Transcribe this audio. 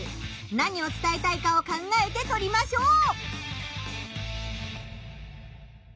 何をつたえたいかを考えて撮りましょう！